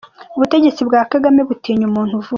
Ubutegetsi bwa Kagame butinya umuntu uvuga!